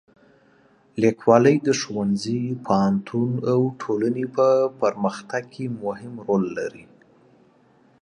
لیکوالی د ښوونځي، پوهنتون او ټولنې په پرمختګ کې مهم رول لري.